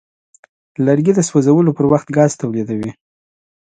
لرګی د سوځولو پر وخت ګاز تولیدوي.